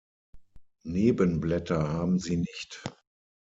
Nebenblätter haben sie nicht.